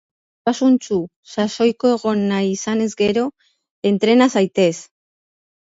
Osasuntsu, sasoiko egon nahi izanez gero; entrena zaitez!